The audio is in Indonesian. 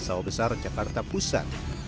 sawah besar jakarta pusat